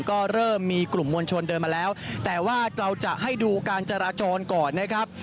ก็เริ่มมีกลุ่มมวลชนเดินมาแล้วแต่ว่าเราจะให้ดูการจราจรก่อนนะครับ